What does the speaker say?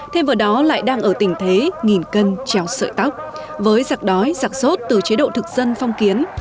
thêm vào đó lại đang ở tình thế nghìn cân treo sợi tóc với giặc đói giặc sốt từ chế độ thực dân phong kiến